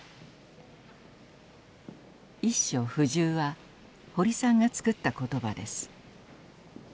「一所不住」は堀さんがつくった言葉です。